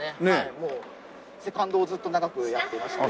もうセカンドをずっと長くやってまして。